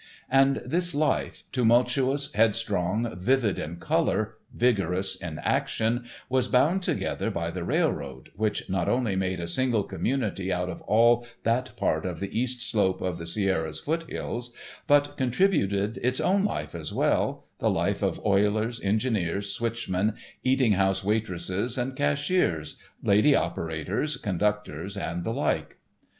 And this life, tumultuous, headstrong, vivid in colour, vigorous in action, was bound together by the railroad, which not only made a single community out of all that part of the east slope of the Sierras' foothills, but contributed its own life as well—the life of oilers, engineers, switchmen, eating house waitresses and cashiers, "lady" operators, conductors, and the like.